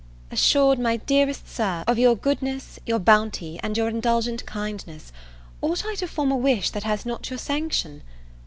Assured, my dearest Sir, of your goodness, your bounty, and your indulgent kindness, ought I to form a wish that has not your sanction?